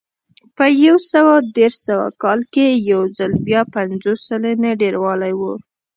په یو سوه دېرش سوه کال کې یو ځل بیا پنځوس سلنې ډېروالی و